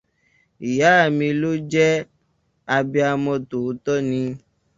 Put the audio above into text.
Ìyá mi ló jẹ́, abiamọ tòótọ́ ni.